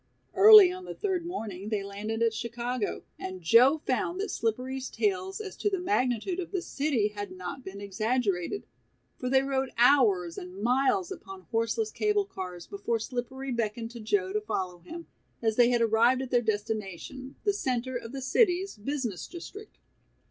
Early on the third morning they landed at Chicago, and Joe found that Slippery's tales as to the magnitude of this city had not been exaggerated, for they rode hours and miles upon horseless "cable" cars before Slippery beckoned to Joe to follow him, as they had arrived at their destination, the center of the city's business district.